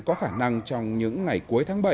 có khả năng trong những ngày cuối tháng bảy